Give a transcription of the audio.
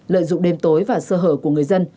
lợi dụng đêm tối và sơ hở của người dân